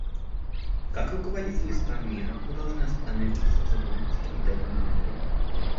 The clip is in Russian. Как руководители стран мира мы должны остановиться, задуматься и дать людям ответ.